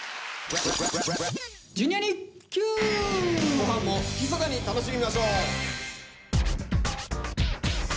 後半もひそかに楽しみましょう。